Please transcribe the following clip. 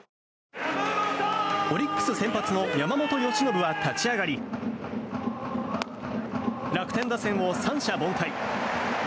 オリックス先発の山本由伸は立ち上がり楽天打線を三者凡退。